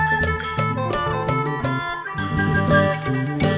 โชว์ฮีตะโครน